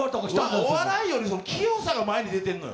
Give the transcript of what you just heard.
お笑いより器用さが前に出てんのよ！